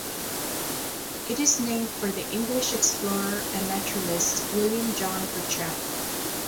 It is named for the English explorer and naturalist William John Burchell.